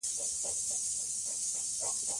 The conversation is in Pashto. او شکيبا ته يې وويل